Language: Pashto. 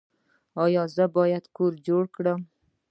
ایا زه باید کور جوړ کړم؟